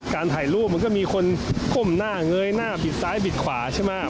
ถ่ายรูปมันก็มีคนก้มหน้าเงยหน้าบิดซ้ายบิดขวาใช่ไหม